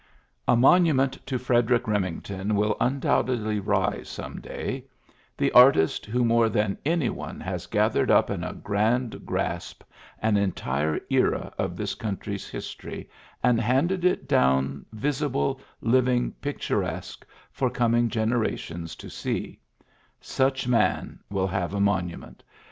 A monument to Frederic Remington will un doubtedly rise some day; the artist who more than any one has gathered up in a grand grasp an entire era of this country's history, and handed it down visible, living, picturesque, for coming generations to see — such man will have a monu ment.